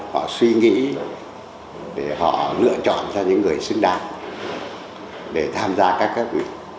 họ suy nghĩ để họ lựa chọn cho những người xứng đáng để tham gia các cấp ủy